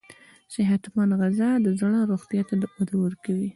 صحتمند غذا د زړه روغتیا ته وده ورکوي.